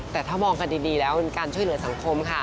แต่ถ้ามองกันดีแล้วเป็นการช่วยเหลือสังคมค่ะ